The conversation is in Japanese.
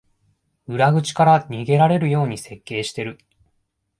裏口から逃げられるように設計してる